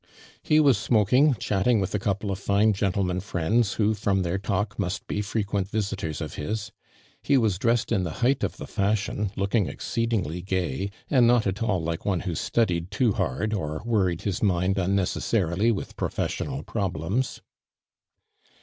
"lie was smoking, chatting with a couple ot fine gentleman friends, who, from their talk, must be frequent visitors of his. He was dressed in the height of the fashion, looking exciCHlingly gay. and not at all like •one who studied too hard, or worried his inind unnecessarily with professional pro blems."'